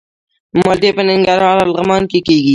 مالټې په ننګرهار او لغمان کې کیږي.